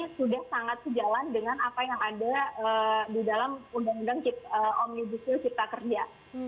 sudah sangat sejalan dengan apa yang ada di dalam undang undang omnibus law cipta kerja